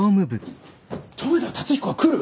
留田辰彦が来る！？